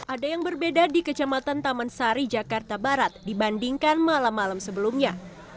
ada yang berbeda di kecamatan taman sari jakarta barat dibandingkan malam malam sebelumnya